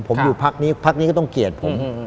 ผมอยู่พักนี้พักนี้ก็ต้องเกลียดผม